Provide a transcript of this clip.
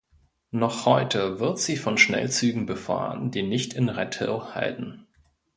Noch heute wird sie von Schnellzügen befahren, die nicht in Redhill halten.